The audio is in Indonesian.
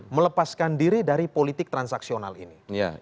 melepaskan diri dari politik transaksional ini